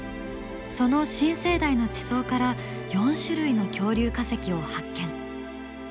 その新生代の地層から４種類の恐竜化石を発見。